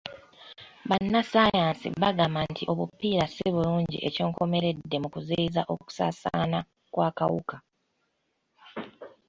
Bannassaayansi bagamba nti obupiira si bulungi ekyenkomeredde mu kuziyiza okusaasaana kw'akawuka.